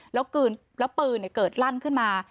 แล้วปืนเกิดลั่นขึ้นมา